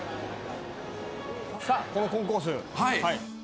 さあ、このコンコース。